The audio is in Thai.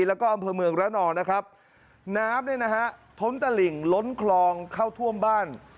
แล้วก็อำเภอเมืองระนองนะครับน้ำเนี่ยนะฮะท้นตะหลิ่งล้นคลองเข้าท่วมบ้าน